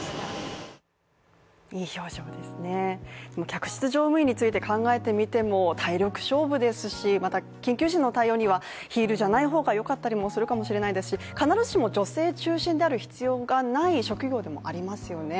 客室乗務員について考えてみても体力勝負ですしまた緊急時の対応にはヒールじゃない方がよかったりするかもしれないですし、必ずしも女性中心である必要がない職業でもありますよね。